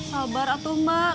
sabar atuh mbak